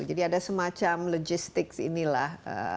ada semacam logistics inilah